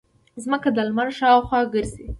ځمکه د لمر شاوخوا ګرځي